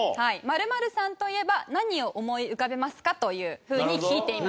○○さんといえば何を思い浮かべますか？というふうに聞いています。